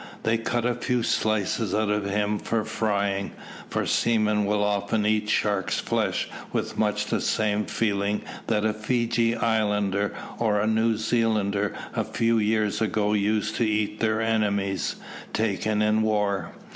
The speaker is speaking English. They cut a few slices out of him for frying; for seamen will often eat shark's flesh with much the same feeling that a Fejee islander or a New Zealander a few years ago used to eat their enemies taken in war.